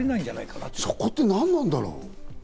そこが足そこって何なんだろう？